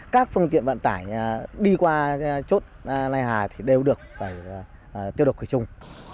các phương tiện vận tải đi qua chốt lai hà thì đều được tiêu độc ở chung